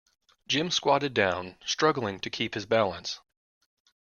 Jim squatted down, struggling to keep his balance.